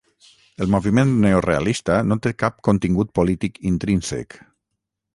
El moviment neorealista, no té cap contingut polític intrínsec.